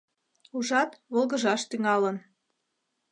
Ужат, волгыжаш тӱҥалын.